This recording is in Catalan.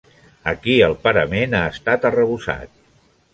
Aquí el parament ha estat arrebossat.